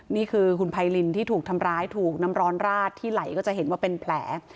นี่คือคุณไพรินที่ถูกทำร้ายถูกน้ำร้อนราดที่ไหลก็จะเห็นว่าเป็นแผล